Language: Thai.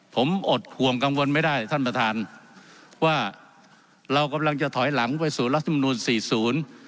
ผมอดห่วงกังวลไม่ได้ท่านประธานว่าเรากำลังจะถอยหลังไปสู่รัฐมนุนสี่ศูนย์